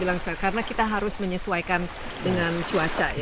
kita tidak bisa bilang karena kita harus menyesuaikan dengan cuaca ya